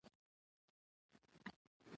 افغانستان له هلمند سیند ډک دی.